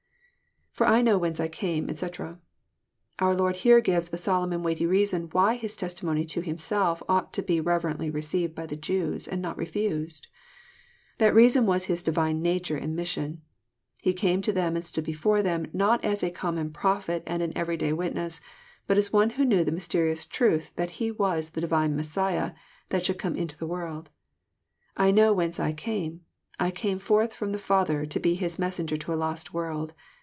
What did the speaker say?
»» IFor I know whence I came, etc,"] Our Lord here gives a solemn and weighty reason why His testimony to Himself ought to be reverently received by the Jews, and not refused. That reason was His divine nature and mission. He came to them and stood before them not as a common prophet and an every day witness, but as one who knew the mysterious truth that He was the Divine Messiah, that should come into the world. —I know whence I came :— I came forth from the Father, to be His Messenger to a lost world.